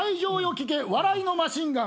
聞け笑いのマシンガン」